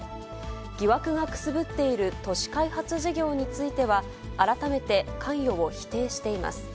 疑惑がくすぶっている都市開発事業については、改めて関与を否定しています。